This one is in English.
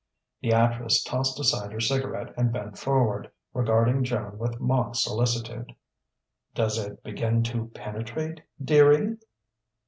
The actress tossed aside her cigarette and bent forward, regarding Joan with mock solicitude. "Does it begin to penetrate, dearie?"